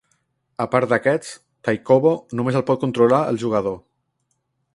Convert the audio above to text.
A part d'aquests, Taikobo només el pot controlar el jugador.